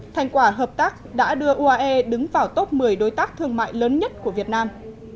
thành quả hợp tác đã đưa uae đứng vào top một mươi đối tác thương mại lớn nhất của việt nam